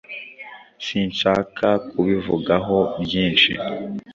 Sinshaka kubivugaho byinshi.